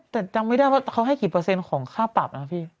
แต่จำไม่ได้ว่าเขาให้กี่เปอร์เซ็นต์ของค่าปรับนะพี่